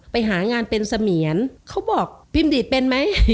ไปหางานเป็นเสมียนเขาบอกพิมพ์ดีดเป็นไหม